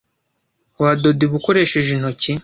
Wadoda ibi ukoresheje intoki?